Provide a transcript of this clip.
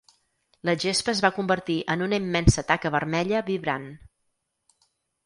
La gespa es va convertir en una immensa taca vermella vibrant.